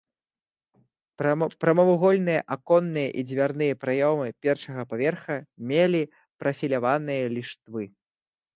Прамавугольныя аконныя і дзвярныя праёмы першага паверха мелі прафіляваныя ліштвы.